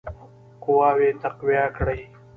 قواوي تقویه کړي.